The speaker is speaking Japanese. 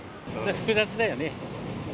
複雑だよね。